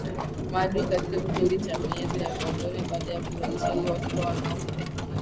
maadui katika kipindi cha miezi ya mwanzoni baada ya kuzaliwa Ila watoto wanao fanikiwa